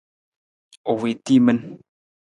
U wii timin.